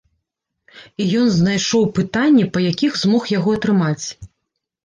І ён знайшоў пытанні, па якіх змог яго атрымаць.